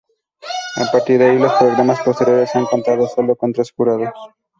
A partir de ahí los programas posteriores han contado sólo con tres jurados.